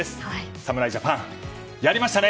侍ジャパン、やりましたね！